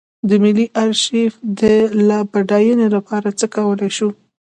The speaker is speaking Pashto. د ملي ارشیف د لا بډاینې لپاره څه کولی شو.